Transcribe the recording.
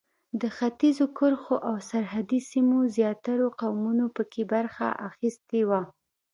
د ختیځو کرښو او سرحدي سیمو زیاترو قومونو په کې برخه اخیستې وه.